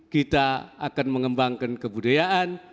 kita akan mengembangkan kebudayaan